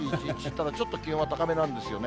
ただちょっと気温は高めなんですよね。